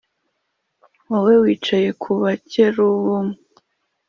wowe wicaye ku bakerubimu,